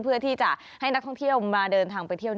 เพื่อที่จะให้นักท่องเที่ยวมาเดินทางไปเที่ยว